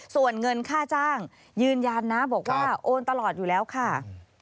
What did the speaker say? ส่วนเงินค่าจ้างยืนยันนะบอกว่าโอนตลอดอยู่แล้วค่ะ